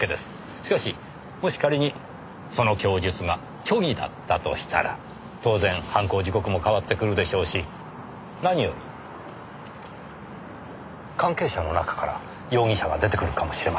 しかしもし仮にその供述が虚偽だったとしたら当然犯行時刻も変わってくるでしょうし何より関係者の中から容疑者が出てくるかもしれません。